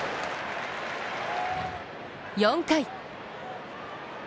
４回。